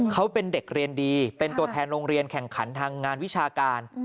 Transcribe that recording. เขาเป็นเด็กเรียนดีเป็นตัวแทนโรงเรียนแข่งขันทางงานวิชาการ